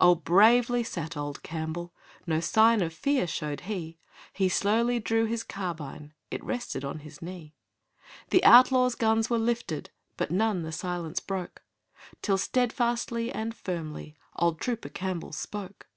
Oh, bravely sat old Campbell, No sign of fear showed he. He slowly drew his carbine; It rested by his knee. The outlaws' guns were lifted, But none the silence broke, Till steadfastly and firmly Old Trooper Campbell spoke.